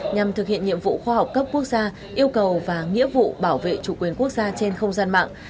nhằm thực hiện nhiệm vụ khoa học cấp quốc gia yêu cầu và nghĩa vụ bảo vệ chủ quyền quốc gia trên không gian mạng